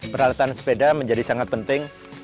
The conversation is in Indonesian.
peralatan sepeda menjadi sangat penting